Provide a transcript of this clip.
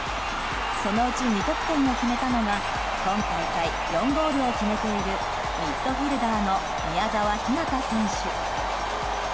そのうち２得点を決めたのは今大会４ゴールを決めているミッドフィールダーの宮澤ひなた選手。